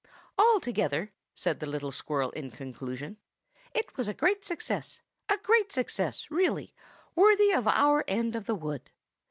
"Altogether," said the little squirrel, in conclusion, "it was a great success; a great success; really, worthy of our end of the wood.